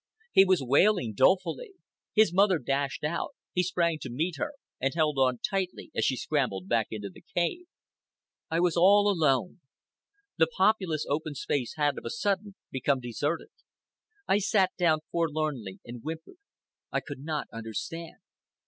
He was wailing dolefully. His mother dashed out; he sprang to meet her and held on tightly as she scrambled back into the cave. I was all alone. The populous open space had of a sudden become deserted. I sat down forlornly and whimpered. I could not understand.